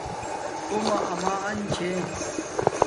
تومہ اما ان چھے